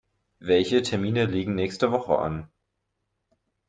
Welche Termine liegen nächste Woche an?